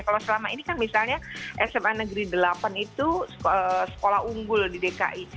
kalau selama ini kan misalnya sma negeri delapan itu sekolah unggul di dki